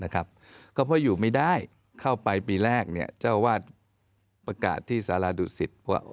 ก็เพราะอยู่ไม่ได้เข้าไปปีแรกเจ้าวาดประกาศที่สารดุสิตว่า